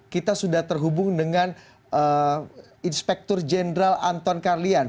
kita sudah terhubung dengan inspektur jenderal anton karlian